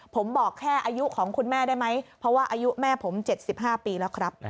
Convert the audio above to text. ผมบอกแค่อายุของคุณแม่ได้ไหมเพราะว่าอายุแม่ผม๗๕ปีแล้วครับ